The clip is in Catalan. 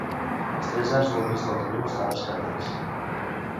Els tres arcs del mig del riu estan esquerdats.